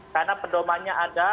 karena pedomanya ada